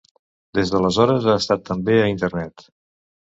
Des d'aleshores ha estat també a internet.